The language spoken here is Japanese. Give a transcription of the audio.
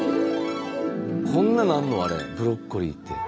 こんななんのあれブロッコリーって。